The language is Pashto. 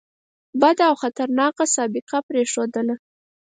بده او خطرناکه سابقه پرېښودله.